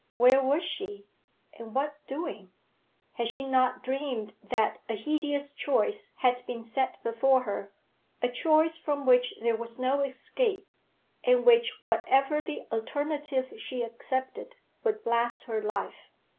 Where was she, and what doing? Had she not dreamed that a hideous choice had been set before her, a choice from which there was no escape, and which, whatever the alternative she accepted, would blast her life?